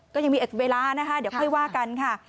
ก็ยังมีเวลานะคะเดี๋ยวค่อยว่ากันค่ะ